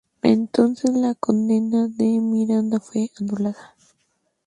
Entonces, la condena de Miranda fue anulada.